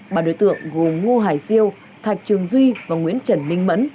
bà đối tượng gồm ngo hải siêu thạch trường duy và nguyễn trần minh mẫn